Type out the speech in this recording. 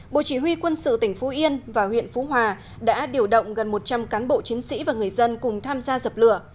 bộ chỉ huy quân sự tỉnh phú yên và huyện phú hòa đã điều động gần một trăm linh cán bộ chiến sĩ và người dân cùng tham gia dập lửa